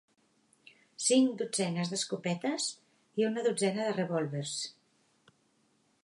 Cinc dotzenes d'escopetes i una dotzena de revòlvers.